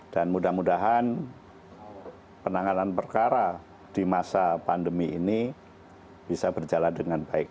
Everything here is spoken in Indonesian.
dan mudah mudahan penanganan perkara di masa pandemi ini bisa berjalan dengan baik